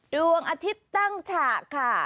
ดวงอาทิตย์ตั้งฉากค่ะ